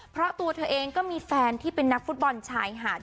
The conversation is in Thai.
เพราะตัวเธอเองก็มีแฟนที่เป็นนักฟุตบอลชายหาด